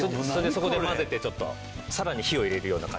そこで混ぜてちょっとさらに火を入れるような感じで。